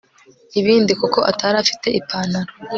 ibindi kuko atari afite ipantaro